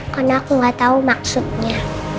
karena aku gak tau maksudnya